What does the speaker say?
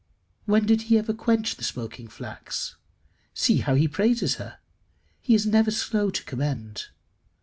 When did he ever quench the smoking flax? See how he praises her. He is never slow to commend.